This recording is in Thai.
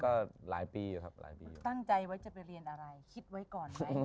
ก็หลายปีอยู่ครับหลายปีตั้งใจไว้จะไปเรียนอะไรคิดไว้ก่อนไหม